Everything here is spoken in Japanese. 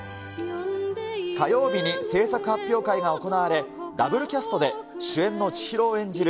火曜日に制作発表会が行われ、ダブルキャストで主演の千尋を演じる